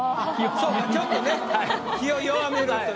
ちょっとね火を弱めるという。